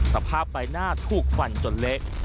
สภาพใบหน้าถูกฟันจนเละ